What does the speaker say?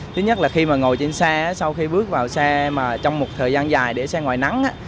thứ nhất là khi mà ngồi trên xe sau khi bước vào xe mà trong một thời gian dài để xe ngoài nắng